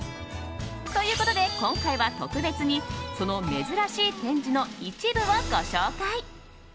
ということで今回は特別にその珍しい展示の一部をご紹介。